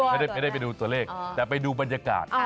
ไม่ได้ไปดูตัวเลขแต่ไปดูบรรยากาศ